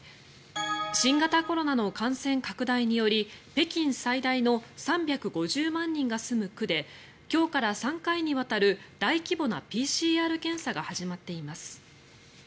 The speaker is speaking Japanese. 新型コロナの感染拡大により北京最大の３５０万人が住む区で今日から３回にわたる大規模なＰＣＲ検査が始まっています。